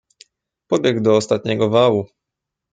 "Pobiegł do ostatniego wału."